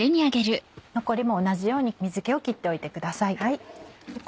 残りも同じように水気を切っておいてください。